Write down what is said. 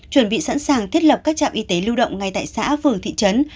chuẩn bị sẵn sàng thiết lập các trạm y tế lưu động ngay tại xã phường thị trấn